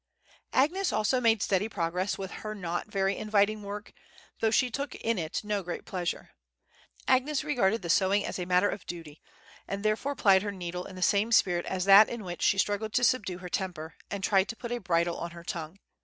Agnes also made steady progress with her not very inviting work, though she took in it no great pleasure. Agnes regarded the sewing as a matter of duty, and therefore plied her needle in the same spirit as that in which she struggled to subdue her temper, and tried to put a bridle on her tongue.